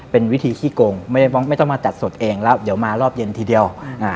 เป็นวิธีขี้โกงไม่ต้องมาตัดสดเองแล้วเดี๋ยวมารอบเย็นทีเดียวอ่า